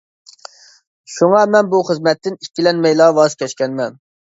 شۇڭا مەن بۇ خىزمەتتىن ئىككىلەنمەيلا ۋاز كەچكەنمەن.